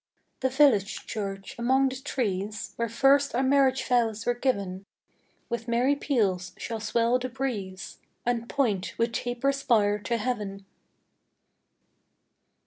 The village church, among the trees, Where first our marriage vows were giv'n, With merry peals shall swell the breeze, And point with taper spire to heav'n.